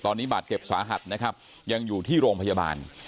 ตอนนี้บาดเจ็บสาหัสนะครับยังอยู่ที่โรงพยาบาล